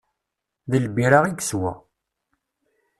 D lbira i yeswa.